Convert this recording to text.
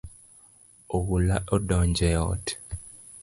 Oula odonjo e ot